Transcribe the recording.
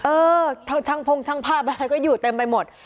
เออเท่าช่างพงช่างภาพอะไรก็อยู่เต็มไปหมด